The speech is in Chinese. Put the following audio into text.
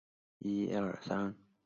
生前收藏被贫困的子孙典卖殆尽。